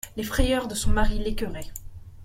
Les frayeurs de son mari l'écœuraient.